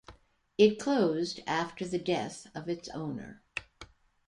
It closed after the death of its owner.